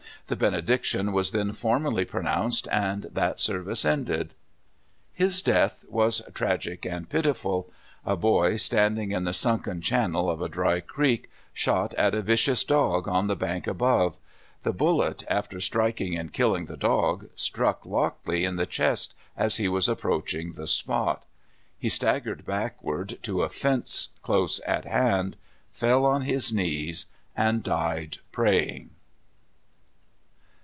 The benediction was then formally pronounced, and that service ended. His death was tragic and pitiful. A boy, stand ing in the sunken channel of a dry creek, shot at a vicious dog on the bank above. The bullet, after striking and killing the dog, struck Lockley in the chest as he was approaching the spot. He staggered backward to a fence close at hand, fell on his knees, and died praying.